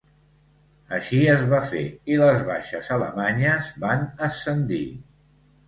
Així es va fer, i les baixes alemanyes van ascendir.